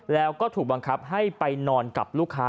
แล้วก็ถูกบังคับให้ไปนอนกับลูกค้า